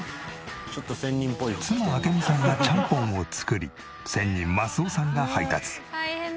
妻明美さんがちゃんぽんを作り仙人益男さんが配達。